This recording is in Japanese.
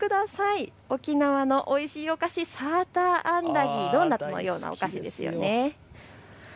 見てください、沖縄のおいしいお菓子サーターアンダギー、ドーナツのようなお菓子ですね。